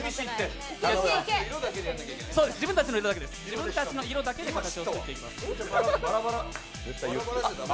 自分たちの色だけで形を作っていきます。